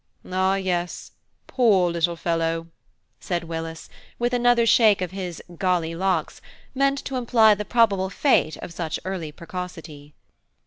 "Ah, yes, poor little fellow," said Willis, with another shake of his "golly locks," meant to imply the probable fate of such early percocity.